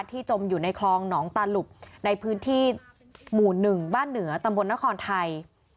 จมอยู่ในคลองหนองตาหลุบในพื้นที่หมู่๑บ้านเหนือตำบลนครไทย